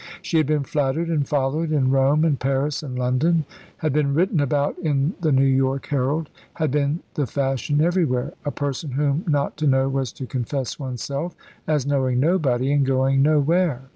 She had been flattered and followed in Rome and Paris and London, had been written about in the New York Herald, and had been the fashion everywhere; a person whom not to know was to confess oneself as knowing nobody and going nowhere.